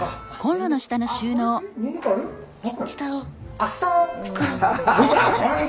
あっ下の。